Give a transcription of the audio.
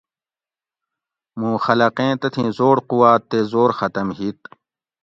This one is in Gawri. مو خلقیں تتھی زوڑ قوات تے زور ختم ہیت